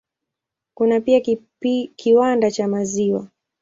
Kuna pia kiwanda cha maziwa.